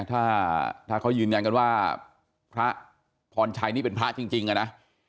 ถ้าเค้ายืนความว่าพระพรชัยนี่เป็นพระจริงอะนะ